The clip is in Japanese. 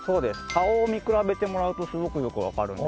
顔を見比べてもらうとすごくよくわかるんですが。